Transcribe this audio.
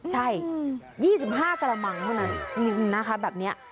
ใช่๒๕กะละมังเท่านั้นแบบนี้